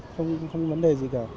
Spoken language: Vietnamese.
không vấn đề gì cả